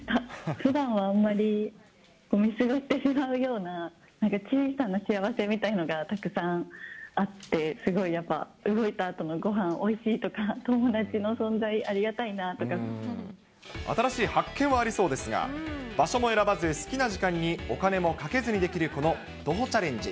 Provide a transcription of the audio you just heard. ふだんはあんまり、見過ごしてしまうような小さな幸せみたいのがたくさんあって、すごいやっぱ、動いたあとのごはん、おいしいとか、友達の存在あ新しい発見はありそうですが、場所も選ばず、好きな時間にお金もかけずにできるこの徒歩チャレンジ。